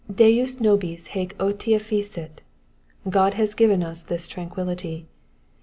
Dens nobis hcec otia fecit: God has given us this tranquillity.